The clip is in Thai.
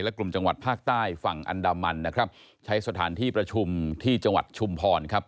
และกลุ่มจังหวัดภาคใต้ฝั่งอันดามันนะครับใช้สถานที่ประชุมที่จังหวัดชุมพรครับ